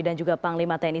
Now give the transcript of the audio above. dan juga panglima tni